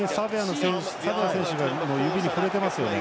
サベア選手の指に触れてますよね。